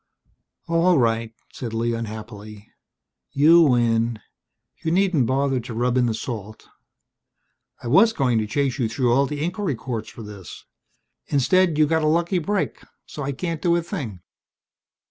"All right," said Lee unhappily, "you win. You needn't bother to rub in the salt. I was going to chase you through all the inquiry courts for this. Instead, you got a lucky break, so I can't do a thing.